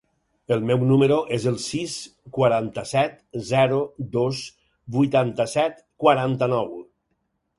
El meu número es el sis, quaranta-set, zero, dos, vuitanta-set, quaranta-nou.